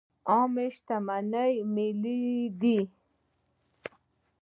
عامه شتمني ملي ده